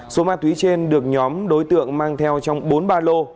số ma túy trên được nhóm đối tượng mang theo trong bốn ba lô